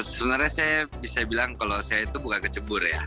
sebenarnya saya bisa bilang kalau saya itu buka kecebur ya